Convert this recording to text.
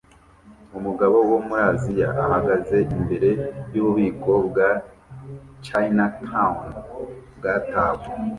Umugabo wo muri Aziya ahagaze imbere yububiko bwa Chinatown bwatawe